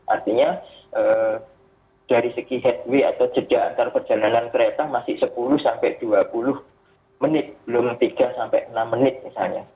artinya dari segi headway atau jeda antar perjalanan kereta masih sepuluh sampai dua puluh menit belum tiga sampai enam menit misalnya